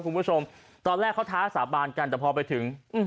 คุณผู้ชมตอนแรกเขาท้าสาบานกันแต่พอไปถึง